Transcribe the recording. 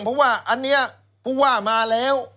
เพราะว่าอันนี้ผู้ว่ามาแล้ว